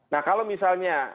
nah kalau misalnya